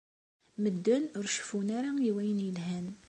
Medden ur ceffun ara i wayen yelhan.